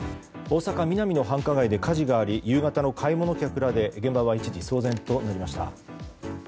大阪ミナミの繁華街で火事があり夕方の買い物客らで現場は一時、騒然となりました。